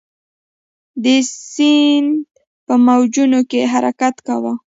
د سیند په موجونو کې حرکت کاوه.